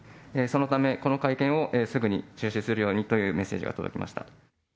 そのため、この会見をすぐに中止するようにというメッセージが届きました。